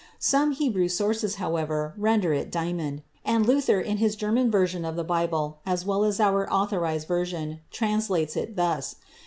Some Hebrew sources, however, render it "diamond," and Luther in his German version of the Bible, as well as our own Authorized Version, translates it thus.